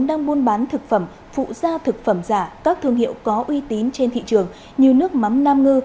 đang buôn bán thực phẩm phụ gia thực phẩm giả các thương hiệu có uy tín trên thị trường như nước mắm nam ngư